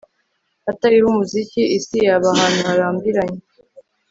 Hatariho umuziki isi yaba ahantu harambiranye